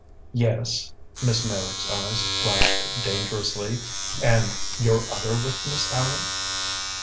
"Yes?" Miss Meyrick's eyes flashed dangerously. "And your other witness, Allan?"